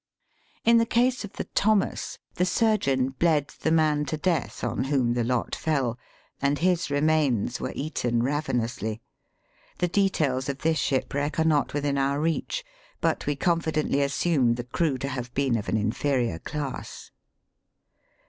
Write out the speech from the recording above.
In tin the Thomas, the surgeon bled the man to death on whom the lot fell, .and his remains were eaten ravenously. The details of this shipwreck are not within our reach ; but, we confidently assume the crew to have been of an inferior class.